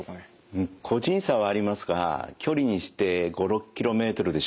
個人差はありますが距離にして５６ｋｍでしょうか。